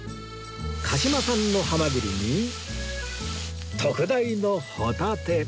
鹿島産のハマグリに特大のホタテ！